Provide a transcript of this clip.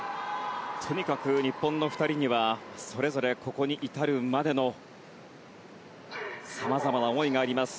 とにかく日本の２人にはそれぞれここに至るまでの様々な思いがあります。